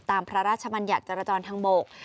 ตามพระราชบัญญัติจรจรทางบก